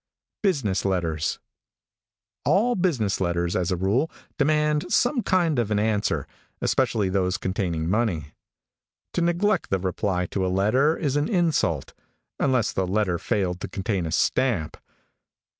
BUSINESS LETTERS. |ALL business letters, as a rule, demand some kind of an answer, especially those containing money. To neglect the reply to a letter is an insult, unless the letter failed to contain a stamp.